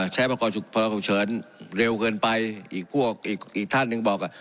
ใช้ประกอบพรฉุกเฉินเร็วเกินไปอีกพวกอีกท่านหนึ่งบอกอ่ะ